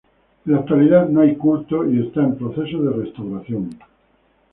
En la actualidad no hay culto y está en proceso de restauración.